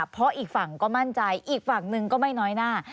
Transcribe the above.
เพราะอีกฝั่งก็มั่นใจอีกฝั่งหนึ่งก็ไม่น้อยหน้า